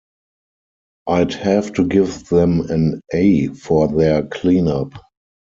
I'd have to give them an 'A' for their cleanup.